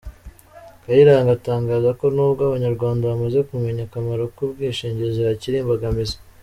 Kayiranga atangaza ko n’ubwo Abanyarwanda bamaze kumenya akamaro k’ubwishingizi, hakiri imbogamizi.